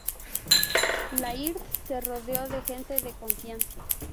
Laird se rodeó de gente de confianza.